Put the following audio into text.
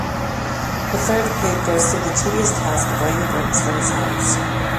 The third pig goes through the tedious task of laying bricks for his house.